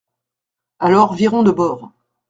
Alors virons de bord.